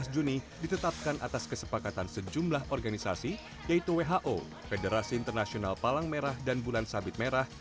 tujuh belas juni ditetapkan atas kesepakatan sejumlah organisasi yaitu who federasi internasional palang merah dan bulan sabit merah